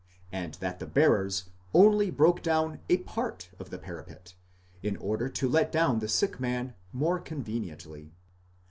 * and that the bearers only ' broke down a part of the parapet in order to let down the sick man more con veniently.